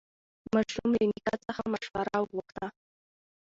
ماشوم له نیکه څخه مشوره وغوښته